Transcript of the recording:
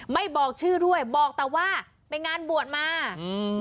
ไม่บอกชื่อด้วยบอกแต่ว่าไปงานบวชมาอืม